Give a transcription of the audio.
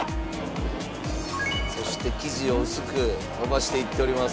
そして生地を薄く伸ばしていっております。